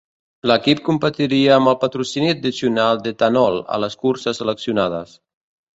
L'equip competiria amb el patrocini addicional d'Ethanol a les curses seleccionades.